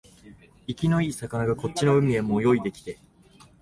生きのいい魚がこっちの海へも泳いできて、